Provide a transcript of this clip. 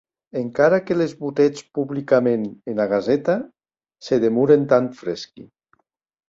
Encara que les botetz publicament ena Gaceta, se demoren tan fresqui.